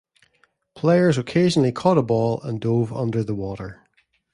Players occasionally caught a ball and dove under the water.